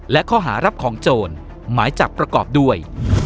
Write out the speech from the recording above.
และข้อหารับของโจรหมายจับประกอบด้วย